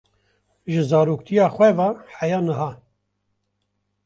Ji zaroktiya xwe ve heya niha.